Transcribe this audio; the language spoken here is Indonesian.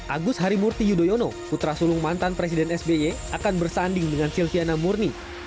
agus harimurti yudhoyono putra sulung mantan presiden sby akan bersanding dengan silviana murni